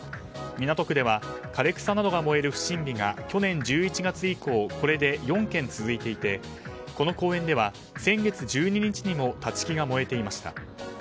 港区では枯れ草などが燃える不審火が去年１１月以降これで４件続いていてこの公園では先月１２日にも立ち木が燃えていました。